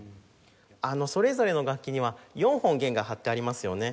それぞれの楽器には４本弦が張ってありますよね。